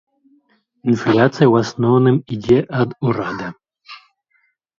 Інфляцыя ў асноўным ідзе ад урада.